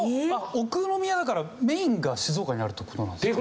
奥宮だからメインが静岡にあるって事なんですかね？